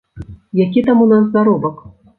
Які там у нас заробак.